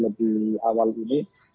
lebih awal ini